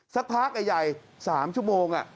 สักพักใหญ่๓ชั่วโมง